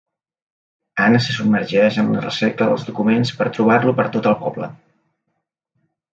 Anna se submergeix en la recerca dels documents per trobar-lo per tot el poble.